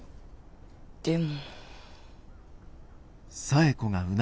でも。